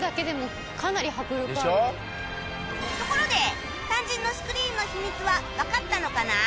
ところで肝心のスクリーンの秘密はわかったのかな？